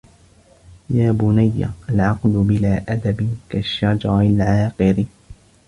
يَا بُنَيَّ الْعَقْلُ بِلَا أَدَبٍ كَالشَّجَرِ الْعَاقِرِ